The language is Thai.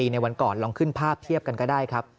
ในวันก่อนลองขึ้นภาพเทียบกันก็ได้ครับ